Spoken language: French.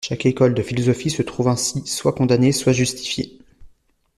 Chaque école de philosophie se trouve ainsi soit condamnée soit justifiée.